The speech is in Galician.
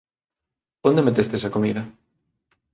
Onde metestes a comida?